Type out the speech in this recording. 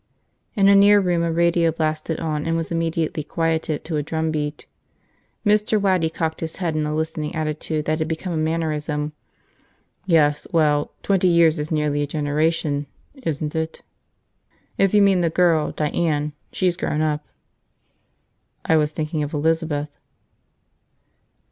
In a near room a radio blasted on and was immediately quieted to a drumbeat. Mr. Waddy cocked his head in the listening attitude that had become a mannerism. "Yes. Well. Twenty years is nearly a generation, isn't it?" "If you mean the girl, Diane, she's grown up." "I was thinking of Elizabeth."